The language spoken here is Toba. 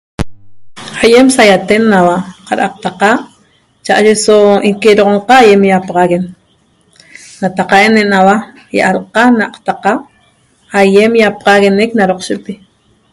ayem sayaten nahua qadaqtaqa chaaye sohua qadquedoxonaqa ayem yapaxaguen nataq en nahua ialaqa naaqtaqa ayem yapaxaguenec na docshepi.